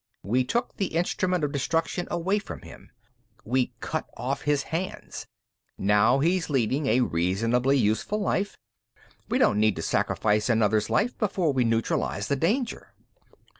We took the instrument of destruction away from him; we 'cut off his hands'. Now he's leading a reasonably useful life. We don't need to sacrifice another's life before we neutralize the danger."